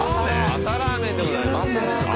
朝ラーメンでございます。